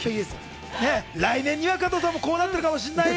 来年には加藤さんもこうなってるかもしんないよ。